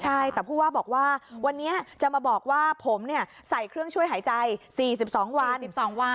ใช่แต่ผู้ว่าบอกว่าวันนี้จะมาบอกว่าผมใส่เครื่องช่วยหายใจ๔๒วัน๑๒วัน